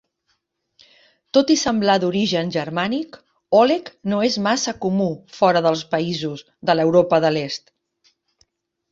Tot i semblar d'origen germànic, "Oleg" no és massa comú fora dels països de l'Europa de l'Est.